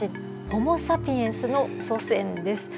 ホモ・サピエンスの祖先です。